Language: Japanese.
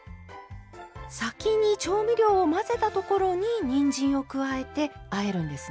先に調味料を混ぜたところににんじんを加えてあえるんですね。